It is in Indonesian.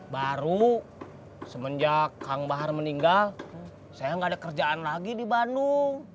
baru semenjak kang bahar meninggal saya nggak ada kerjaan lagi di bandung